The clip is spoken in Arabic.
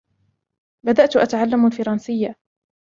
بدأت أتعلّم الفرنسيّة.